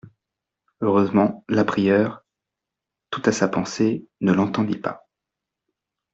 Heureusement la prieure, toute à sa pensée, ne l'entendit pas.